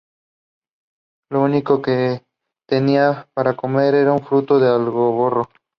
Lo único que tenían para comer era el fruto del algarrobo.